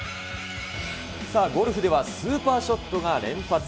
さあ、ゴルフではスーパーショットが連発。